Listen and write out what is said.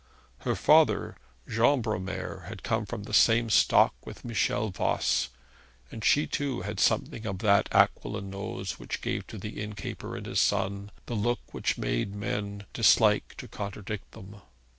Her father Jean Bromar had come from the same stock with Michel Voss, and she, too, had something of that aquiline nose which gave to the innkeeper and his son the look which made men dislike to contradict them.